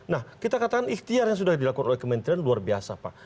nah kita katakan ikhtiar yang sudah dilakukan oleh kementerian luar biasa pak